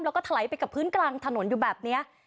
แล้วก็ถลายไปกับพื้นกลางถนนอยู่แบบนี้